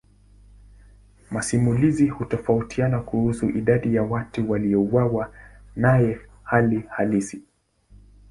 Masimulizi hutofautiana kuhusu idadi ya watu waliouawa naye hali halisi.